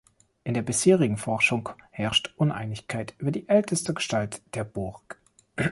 In der bisherigen Forschung herrscht Uneinigkeit über die älteste Gestalt der Burg.